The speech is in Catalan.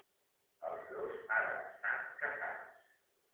Els dos ara estan casats.